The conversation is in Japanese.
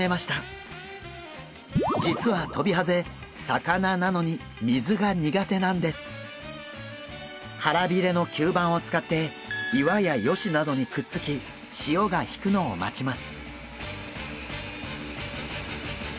実はトビハゼ腹びれの吸盤を使って岩や葦などにくっつき潮が引くのを待ちます。